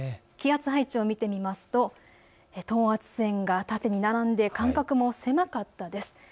気圧配置を見てみますと等圧線が縦に並んで間隔も狭かったです。